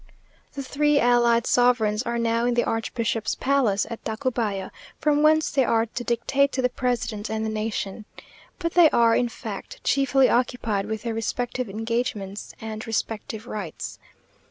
... The three allied sovereigns are now in the archbishop's palace at Tacubaya, from whence they are to dictate to the president and the nation. But they are, in fact, chiefly occupied with their respective engagements and respective rights.